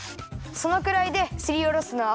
そのくらいですりおろすのはオッケー！